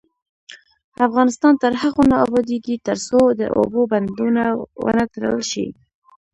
افغانستان تر هغو نه ابادیږي، ترڅو د اوبو بندونه ونه تړل شي.